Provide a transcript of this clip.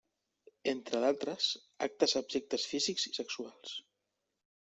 Entre d'altres, actes abjectes físics i sexuals.